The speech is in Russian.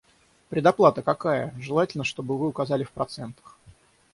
Предоплата какая? Желательно, чтобы вы указали в процентах.